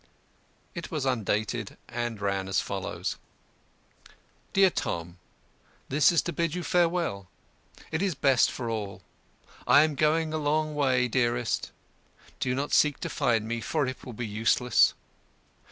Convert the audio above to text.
It was undated, and ran as follows: "Dear Tom, This is to bid you farewell. It is best for us all. I am going a long way, dearest. Do not seek to find me, for it will be useless.